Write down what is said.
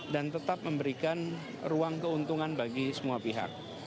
dan tetap memberikan ruang keuntungan bagi semua pihak